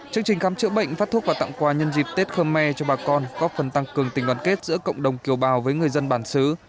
chương trình khám chữa bệnh phát thuốc và tặng quà nhân dịp tết khmer cho bà con góp phần tăng cường tình đoàn kết giữa cộng đồng kiều bào với người dân bản xứ